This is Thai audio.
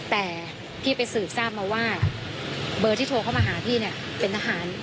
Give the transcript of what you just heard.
แต่พี่ไปสืบทราบมาว่าเบอร์ที่โทรเข้ามาหาพี่เนี่ยเป็นทหาร